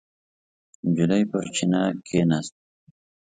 نجلۍ پر چینه کېناسته.